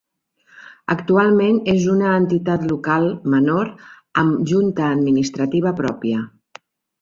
Actualment és una entitat local menor amb junta administrativa pròpia.